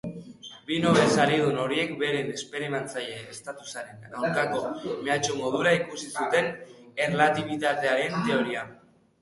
Bi Nobel saridun horiek beren esperimentatzaile-estatusaren aurkako mehatxu modura ikusi zuten erlatibitatearen teoria.